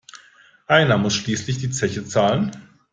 Einer muss schließlich die Zeche zahlen.